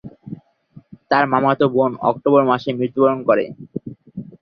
তার মামাতো বোন অক্টোবর মাসে মৃত্যুবরণ করে।